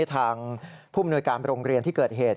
ที่ทางภพกรรมโรงเรียนที่เกิดเหตุ